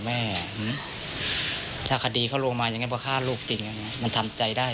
อืมถ้าคดีเขาลงมาอย่างเงี้ยเพราะฆ่าลูกจริงอย่างเงี้ยมันทำใจได้